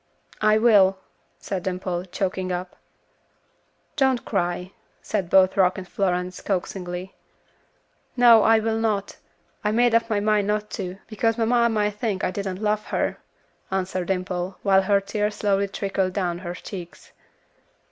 "I will," said Dimple, choking up. "Don't cry," said both Rock and Florence, coaxingly. "No, I will not, I made up my mind not to, because mamma might think I didn't love her," answered Dimple, while her tears slowly trickled down her cheeks.